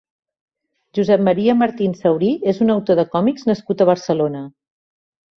Josep Maria Martín Saurí és un autor de còmics nascut a Barcelona.